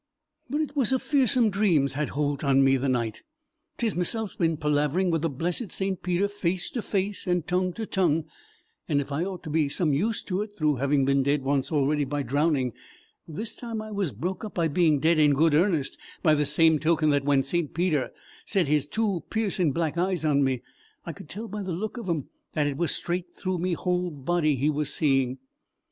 "But it was a fearsome dream's had holt on me the night. 'T is meself's been palarvering with the blessed St. Peter face to face and tongue to tongue; and if I'd ought to be some used to it through having been dead once already by drowning, this time I was broke up by being dead in good earnest, by the same token that when St. Peter set his two piercing black eyes on me, I could tell by the look of 'em that it was straight through me whole body he was seeing.